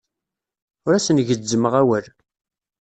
Ur asen-gezzmeɣ awal.